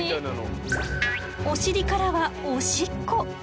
お尻からはおしっこ！